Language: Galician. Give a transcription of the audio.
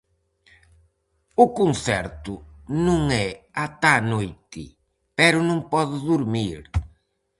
O concerto non é ata a noite, pero non pode durmir.